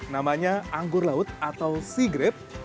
namanya anggur laut atau sea grab